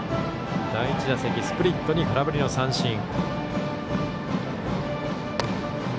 第１打席スプリットに空振りの三振。